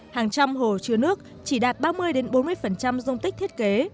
hàng trăm hồ chứa nước chỉ đạt ba mươi bốn mươi dung tích thiết kế